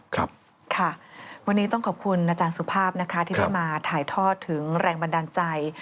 ครับค่ะวันนี้ต้องขอบคุณอาจารย์สุภาพนะคะที่ได้มาถ่ายทอดถึงแรงบันดาลใจ